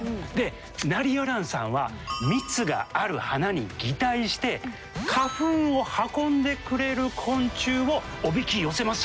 ナリヤランさんは蜜がある花に擬態して花粉を運んでくれる昆虫をおびき寄せます。